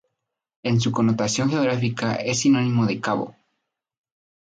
En su connotación geográfica es sinónimo de cabo.